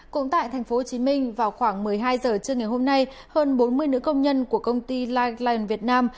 cũng tại tp hcm vào khoảng một mươi hai h trưa ngày hôm nay hơn bốn mươi nữ công nhân của công ty live việt nam